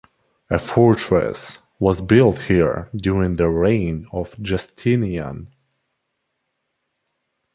A fortress was built here during the reign of Justinian.